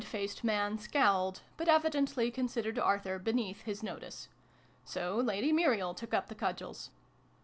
The red faced man scowled, but evidently considered Arthur beneath his notice. So Lady Muriel took up the cudgels.